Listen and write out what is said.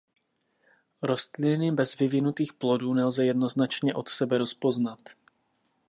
Rostliny bez vyvinutých plodů nelze jednoznačně od sebe rozpoznat.